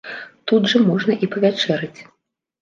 Тут жа можна і павячэраць.